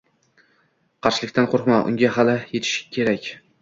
Qarilikdan qo’rqma, unga hali yetish kerak.